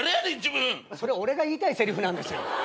それ俺が言いたいせりふなんですよ。